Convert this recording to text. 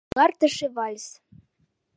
Тулартыше вальс